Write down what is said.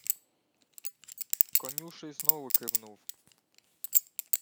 Конюший знову кивнув.